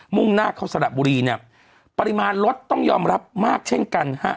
่งหน้าเข้าสระบุรีเนี่ยปริมาณรถต้องยอมรับมากเช่นกันฮะ